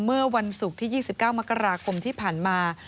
เมื่อวันศุกร์ที่๒๙มกราคมที่ผ่านมา